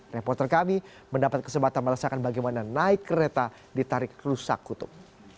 reporter kami mendapat kesempatan melaksanakan bagaimana naik kereta di tarik rusa kutub